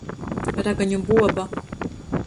Ragaņu buoba.